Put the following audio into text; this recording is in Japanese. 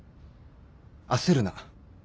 焦るな。